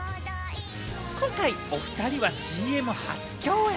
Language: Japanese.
今回お２人はＣＭ初共演。